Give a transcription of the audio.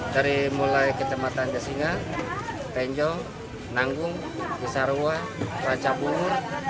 dari mulai kecamatan desinga tenjong nanggung kisarua rancabungur